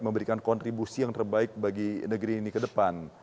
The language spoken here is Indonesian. memberikan kontribusi yang terbaik bagi negeri ini ke depan